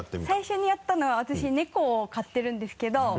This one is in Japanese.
最初にやったのは私猫を飼ってるんですけど。